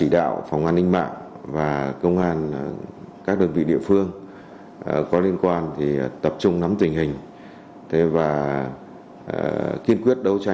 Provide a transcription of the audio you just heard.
dưới mọi hình thức